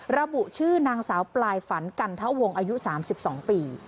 ระบุชื่อนางสาวปลายฝันกันทะวงอายุ๓๒ปี